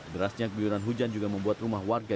derasnya guyuran hujan juga membuat rumah warga